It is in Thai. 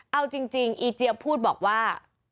เอาจริงอีเจี๊ยบพูดบอกว่า